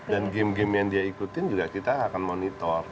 dan game game yang dia ikutin juga kita akan monitor